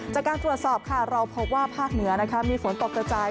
จากการตรวจสอบค่ะเราพบว่าภาคเหนือมีฝนตกกระจาย